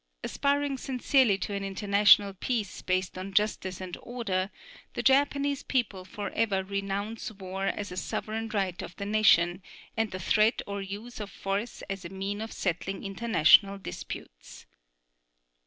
Aspiring sincerely to an international peace based on justice and order, the Japanese people forever renounce war as a sovereign right of the nation and the threat or use of force as a mean of settling international disputes.